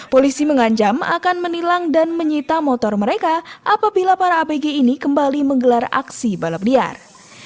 polisi mengancam akan menilang dan menyita motor mereka apabila para apg ini kembali menggelar aksi balap liar